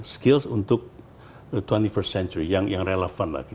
skills untuk dua puluh first century yang relevan lagi